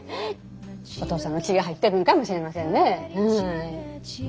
お父さんの血が入ってるんかもしれませんね。